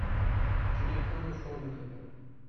Je n'ai point de foi au monopole.